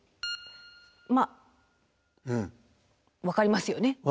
分かりますよね？